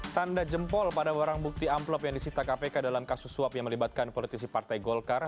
tanda jempol pada barang bukti amplop yang disita kpk dalam kasus suap yang melibatkan politisi partai golkar